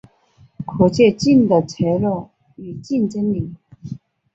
可借镜的策略与竞争力